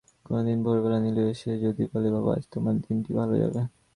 কোনোদিন ভোরবেলায় নীলু এসে যদি বলে, বাবা, আজ তোমার দিনটি ভালো যাবে।